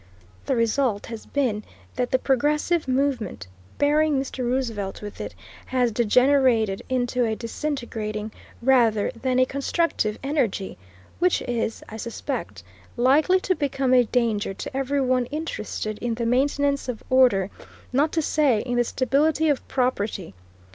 The result has been that the Progressive movement, bearing Mr. Roosevelt with it, has degenerated into a disintegrating rather than a constructive energy, which is, I suspect, likely to become a danger to every one interested in the maintenance of order, not to say in the stability of property.